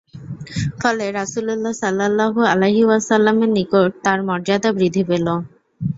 ফলে রাসূলুল্লাহ সাল্লাল্লাহু আলাইহি ওয়াসাল্লামের নিকট তার মর্যাদা বৃদ্ধি পেল।